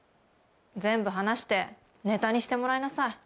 全部話してネタにしてもらいなさい